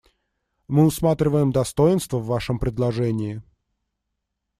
Мы усматриваем достоинства в вашем предложении.